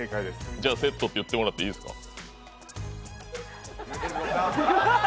じゃ「セット」って言ってもらっていいですか？